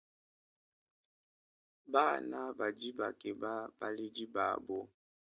Bana badi bakeba baledi babo.